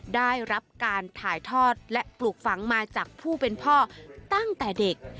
ได้รับการถ่ายทอดและปลูกฝังมาจากผู้เป็นพ่อตั้งแต่เด็ก